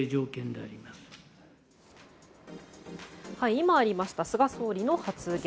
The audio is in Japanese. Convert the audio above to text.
今ありました菅総理の発言。